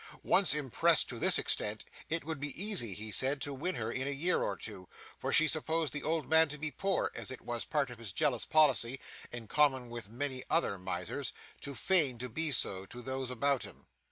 Once impressed to this extent, it would be easy, he said, to win her in a year or two, for she supposed the old man to be poor, as it was a part of his jealous policy (in common with many other misers) to feign to be so, to those about him.